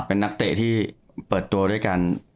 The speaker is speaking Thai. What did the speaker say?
เป็นนักเตะที่เปิดตัวด้วยกัน